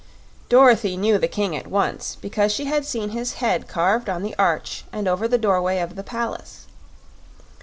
Dorothy knew the King at once, because she had seen his head carved on the arch and over the doorway of the palace.